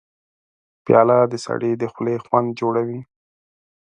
پیاله د سړي د خولې خوند جوړوي.